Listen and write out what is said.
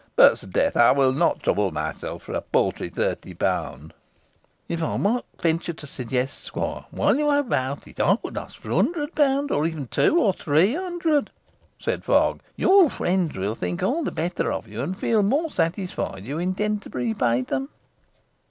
But, 'sdeath! I will not trouble myself for a paltry thirty pounds." "If I might venture to suggest, squire, while you are about it, I would ask for a hundred pounds, or even two or three hundred," said Fogg. "Your friends will think all the better of you, and feel more satisfied you intend to repay them."